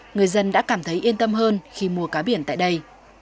người dân đã cảm thấy yên tâm hơn khi mua cá biển tại đây